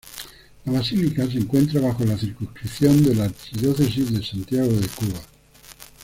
La basílica se encuentra bajo la circunscripción de la Arquidiócesis de Santiago de Cuba.